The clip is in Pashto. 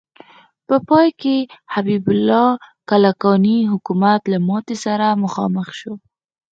په پای کې حبیب الله کلکاني حکومت له ماتې سره مخامخ شو.